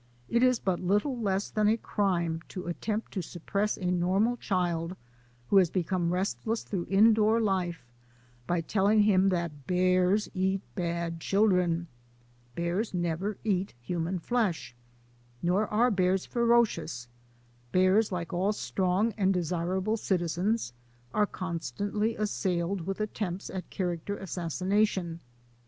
It is but little less than a crime to attempt to sup press a normal child who has become restless through indoor life by telling him that bears eat bad children. Bears never eat human flesh. Nor are bears ferocious. Bears, like all strong and desirable citizens, are constantly assailed with attempts at character assassination.